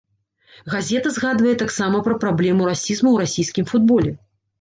Газета згадвае таксама пра праблему расізму ў расійскім футболе.